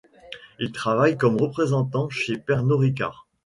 Il travaille comme représentant chez Pernod Ricard.